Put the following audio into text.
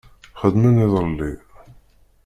Xedmen iḍelli